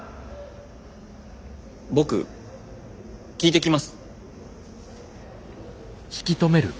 僕聞いてきます。